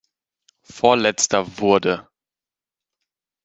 Vorletzter wurde.